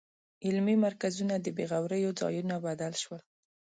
علمي مرکزونه د بېغوریو ځایونو بدل شول.